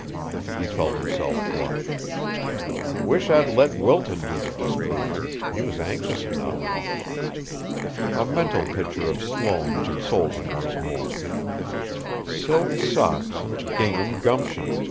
He felt himself blush. "Wish I'd let Wilton do the disproving; he was anxious enough." A mental picture of Sloane consoled him once more. "Silk socks and gingham gumption!"